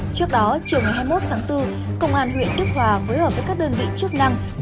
trước đó chiều ngày hai mươi một tháng bốn công an huyện tức hòa phối hợp với các đơn vị chức năng